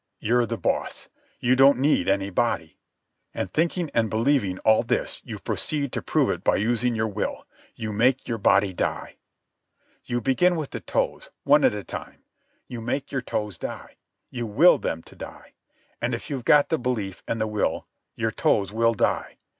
You're the boss. You don't need any body. And thinking and believing all this you proceed to prove it by using your will. You make your body die. "You begin with the toes, one at a time. You make your toes die. You will them to die. And if you've got the belief and the will your toes will die.